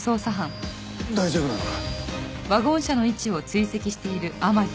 大丈夫なのか？